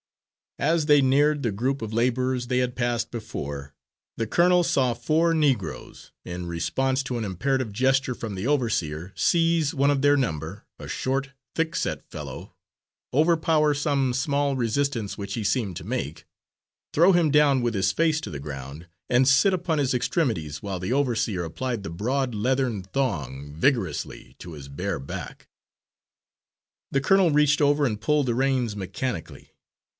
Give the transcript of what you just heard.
As they neared the group of labourers they had passed before, the colonel saw four Negroes, in response to an imperative gesture from the overseer, seize one of their number, a short, thickset fellow, overpower some small resistance which he seemed to make, throw him down with his face to the ground, and sit upon his extremities while the overseer applied the broad leathern thong vigorously to his bare back. The colonel reached over and pulled the reins mechanically.